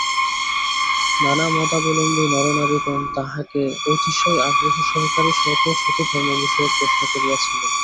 নানামতাবলম্বী নরনারীগণ তাঁহাকে অতিশয় আগ্রহ সহকারে শত শত ধর্মবিষয়ক প্রশ্ন করিয়া ছিলেন।